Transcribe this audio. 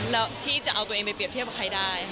แล้วที่จะเอาตัวเองไปเรียบเทียบกับใครได้